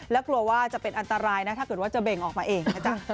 แล้วกลัวว่าจะเป็นอันตรายนะถ้าเกิดว่าจะเบ่งออกมาเองนะจ๊ะ